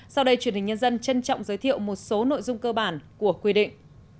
sau đây truyền hình nhân dân trân trọng giới thiệu một số nội dung cơ bản của quy định